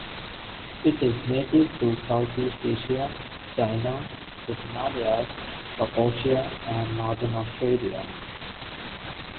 It is native to Southeast Asia, China, the Himalayas, Papuasia and northern Australia.